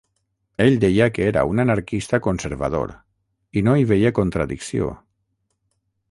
Ell deia que era un anarquista conservador, i no hi veia contradicció.